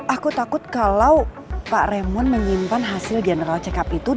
aku takut kalau pak remon menyimpan hasil general check up itu